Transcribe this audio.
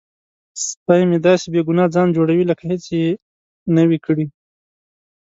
سپی مې داسې بې ګناه ځان جوړوي لکه هیڅ یې نه وي کړي.